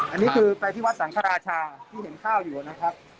อันนี้คือไปที่วัดสังฆราชาที่เห็นข้าวอยู่นะครับ